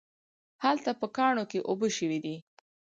هلته په کاڼو کې اوبه شوي دي